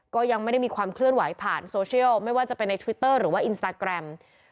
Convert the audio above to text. ก็ยังไม่ได้มีความเคลื่อนไหวผ่านโซเชียลไม่ว่าจะเป็นในทวิตเตอร์หรือว่าอินสตาแกรม